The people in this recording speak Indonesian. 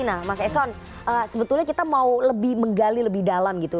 nah mas eson sebetulnya kita mau lebih menggali lebih dalam gitu